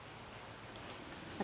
私。